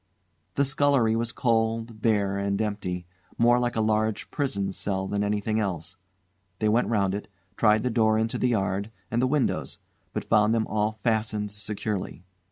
The scullery was cold, bare, and empty; more like a large prison cell than anything else. They went round it, tried the door into the yard, and the windows, but found them all fastened securely.